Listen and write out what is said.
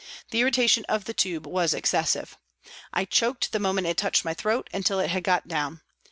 The irritation of the tube was excessive. I choked the moment it touched my throat until it had got down.